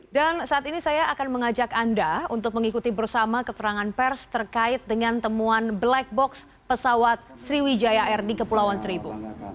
dan saat ini saya akan mengajak anda untuk mengikuti bersama keterangan pers terkait dengan temuan black box pesawat sriwijaya air di kepulauan seribu